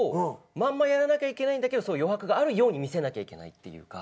まんまやらなきゃいけないんだけど余白があるように見せなきゃいけないっていうか。